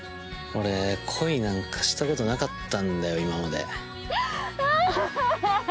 「俺恋なんかしたことなかったんだよ今まで」